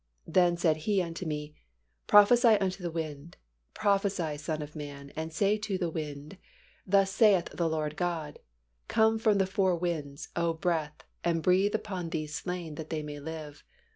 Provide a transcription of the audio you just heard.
Then said He unto me, Prophesy unto the wind, prophesy, son of man, and say to the wind, Thus saith the Lord GOD; Come from the four winds, O breath, and breathe upon these slain, that they may live.